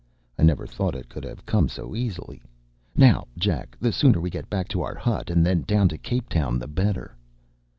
I never thought it could have come so easily. Now, Jack, the sooner we get back to our hut and then down to Cape Town, the better.